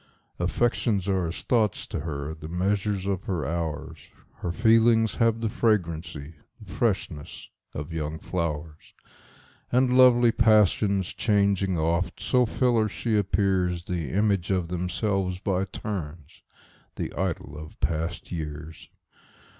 Affections are as thoughts to her, the measures of her hours; Her feelings have the fragrancy, the freshness, of young flowers; And lovely passions, changing oft, so fill her, she appearsThe image of themselves by turns,—the idol of past years!